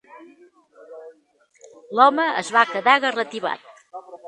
L'home es va quedar garratibat.